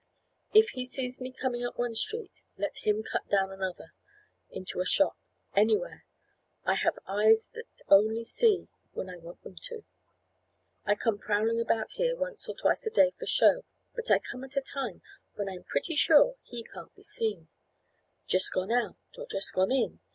If he sees me coming up one street, let him cut down another; into a shop; anywhere; I have eyes that only see when I want them to. I come prowling about here once or twice a day for show, but I come at a time when I am pretty sure he can't be seen; just gone out, or just gone in.